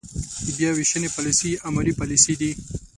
بیا وېشنې پاليسۍ عملي پاليسۍ دي.